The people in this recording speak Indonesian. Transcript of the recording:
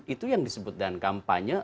itu yang disebut dengan kampanye